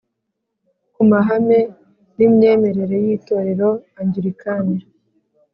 Ku mahame n imyemerere y itorero angilikani